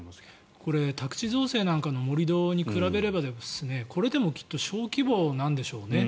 これ、宅地造成なんかの盛り土に比べればこれでもきっと小規模なんでしょうね。